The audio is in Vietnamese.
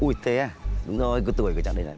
ui thế à đúng rồi cứ tuổi cứ chẳng để lại